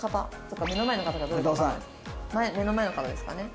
目の前の方ですかね。